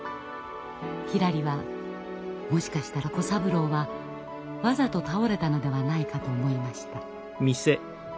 ひらりはもしかしたら小三郎はわざと倒れたのではないかと思いました。